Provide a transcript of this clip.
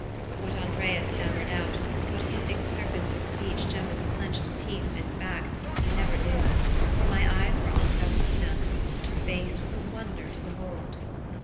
What Andrea stammered out, what hissing serpents of speech Gemma's clinched teeth bit back, I never knew for my eyes were on Faustina, and her face was a wonder to behold.